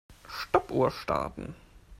Stoppuhr starten.